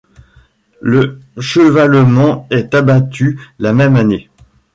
Le chevalement est abattu la même année.